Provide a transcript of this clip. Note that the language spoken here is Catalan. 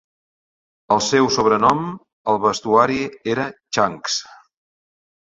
El seu sobrenom al vestuari era Chunks.